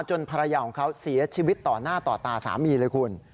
ภรรยาของเขาเสียชีวิตต่อหน้าต่อตาสามีเลยคุณ